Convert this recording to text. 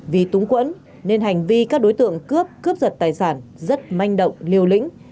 vì túng quẫn nên hành vi các đối tượng cướp cướp giật tài sản rất manh động liều lĩnh